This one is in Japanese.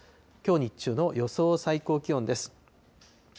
きょう日中の予想最高気温です。